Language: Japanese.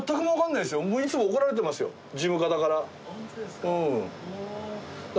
いつも怒られてますよ、事務方か本当ですか。